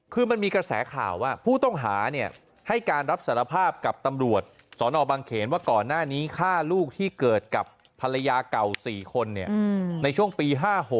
คือมันมีกระแสข่าวว่าผู้ต้องหาให้การรับสารภาพกับตำรวจสนบังเขนว่าก่อนหน้านี้ฆ่าลูกที่เกิดกับภรรยาเก่า๔คนในช่วงปี๕๖